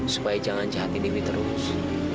supaya jangan jahatin ini terus